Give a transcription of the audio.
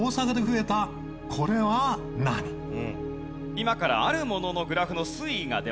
今からあるもののグラフの推移が出ます。